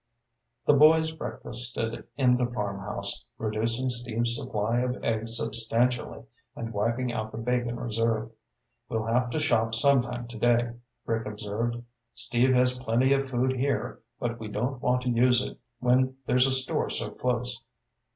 The boys breakfasted in the farmhouse, reducing Steve's supply of eggs substantially and wiping out the bacon reserve. "We'll have to shop sometime today," Rick observed. "Steve has plenty of food here, but we don't want to use it when there's a store so close."